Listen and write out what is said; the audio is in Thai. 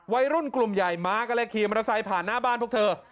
วัยรุ่นกลุ่มใหญ่มากันเลยขี่มอเตอร์ไซค์ผ่านหน้าบ้านพวกเธอ